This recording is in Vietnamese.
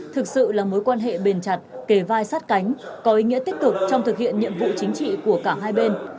thực sự là mối quan hệ bền chặt kề vai sát cánh có ý nghĩa tích cực trong thực hiện nhiệm vụ chính trị của cả hai bên